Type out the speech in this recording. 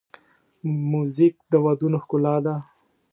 موزیک د ودونو ښکلا ده.